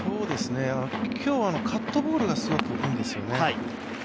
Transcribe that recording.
今日はカットボールがさえてるんですよね。